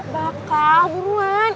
gak bakal buruan